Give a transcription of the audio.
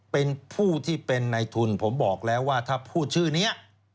เป็นผู้ที่เป็นในทุนผมบอกแล้วว่าถ้าพูดชื่อนี้